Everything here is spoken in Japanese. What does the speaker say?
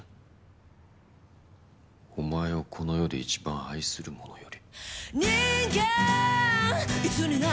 「お前をこの世で一番愛する者より」